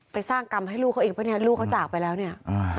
สร้างกรรมให้ลูกเขาอีกเพราะเนี่ยลูกเขาจากไปแล้วเนี่ย